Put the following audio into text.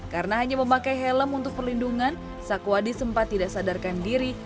karena hanya memakai helm untuk perlindungan sakwadi sempat tidak sadarkan diri